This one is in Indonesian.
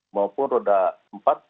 maupun roda empat